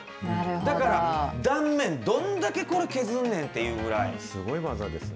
だから断面、どんだけこれ、削んねんっていうぐらい。